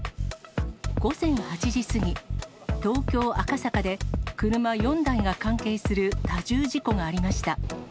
午前８時過ぎ、東京・赤坂で車４台が関係する多重事故がありました。